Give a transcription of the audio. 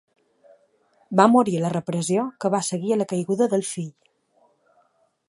Va morir a la repressió que va seguir a la caiguda del fill.